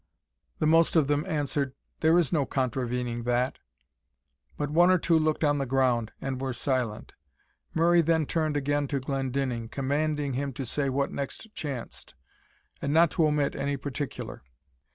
The most of them answered "There is no contravening that;" but one or two looked on the ground, and were silent. Murray then turned again to Glendinning, commanding him to say what next chanced, and not to omit any particular.